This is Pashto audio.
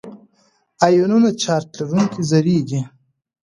آیونونه چارج لرونکي ذرې دي.